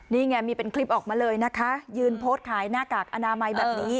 นี่ไงมีเป็นคลิปออกมาเลยนะคะยืนโพสต์ขายหน้ากากอนามัยแบบนี้